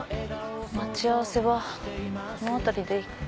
待ち合わせはこの辺りで。